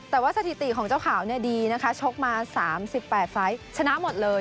แต่ว่าสถิติของเจ้าข่าวเนี่ยดีนะคะชกมาสามสิบแปดไฟต์ชนะหมดเลย